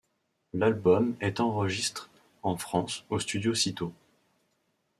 L'album est enregistre en France, au studio Citeaux.